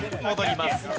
戻ります。